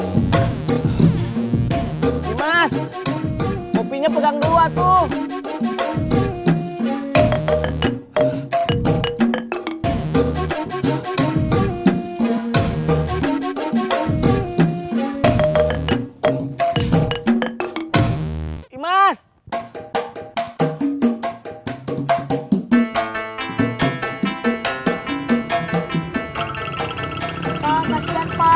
mas mas kopinya pegang dua tuh mas